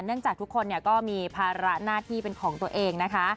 จากทุกคนก็มีภาระหน้าที่เป็นของตัวเองนะคะ